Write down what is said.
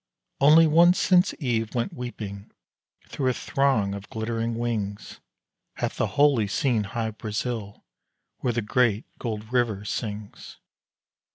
Only once since Eve went weeping through a throng of glittering wings, Hath the holy seen Hy Brasil where the great gold river sings!